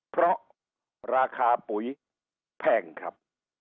เพราะราคาปุ๋ยแพงครับ